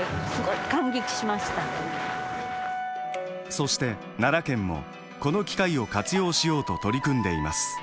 そして奈良県もこの機会を活用しようと取り組んでいます。